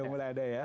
sudah mulai ada ya